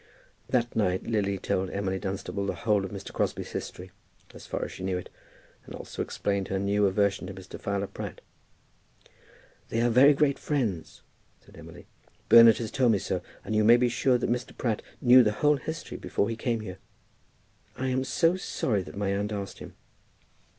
That night Lily told Emily Dunstable the whole of Mr. Crosbie's history as far as she knew it, and also explained her new aversion to Mr. Fowler Pratt. "They are very great friends," said Emily. "Bernard has told me so; and you may be sure that Mr. Pratt knew the whole history before he came here. I am so sorry that my aunt asked him."